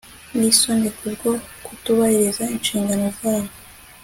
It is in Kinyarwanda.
nisoni kubwo kutubahiriza inshingano zabo